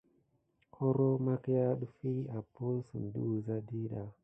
Koro makia ɗefi abosune de wuza ɗiɗa.